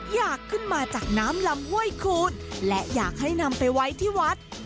อยากขึ้นมาจากน้ำลำห้วยคูณและอยากให้นำไปไว้ที่วัด